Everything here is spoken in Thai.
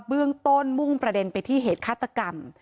เบื้องต้นมุ่งประเด็นไปที่เหตุฆาตกรรม